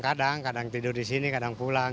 kadang kadang tidur di sini kadang pulang